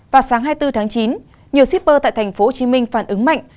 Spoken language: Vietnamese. vào sáng hai mươi bốn tháng chín nhiều shipper tại tp hcm phản ứng mạnh